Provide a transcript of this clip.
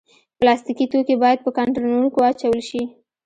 پلاستيکي توکي باید په کانټینرونو کې واچول شي.